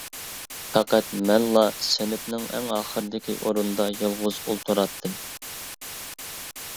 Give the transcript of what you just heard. پەقەت مەنلا سىنىپنىڭ ئەڭ ئاخىرىدىكى ئورۇندا يالغۇز ئولتۇراتتىم.